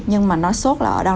nhưng mà nó sốt là ở đâu